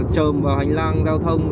trồm vào hành lang giao thông